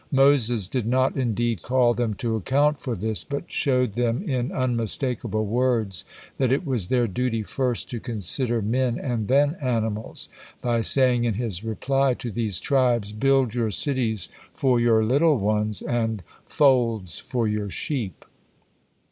Moses did not indeed call them to account for this, but showed them in unmistakable words that it was their duty first to consider men and then animals, by saying in his reply to these tribes, "Build you cities for your little ones, and folds for your sheep."